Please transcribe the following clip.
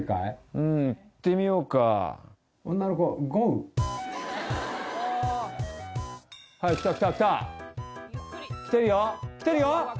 うんいってみようかはいきたきたきた来てるよ来てるよ